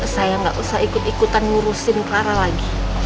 saya nggak usah ikut ikutan ngurusin clara lagi